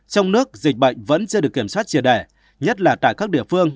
trong nước dịch bệnh vẫn chưa được kiểm soát triệt đẻ nhất là tại các địa phương